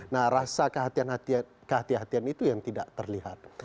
nah rasa kehatian hati hatian itu yang tidak terlihat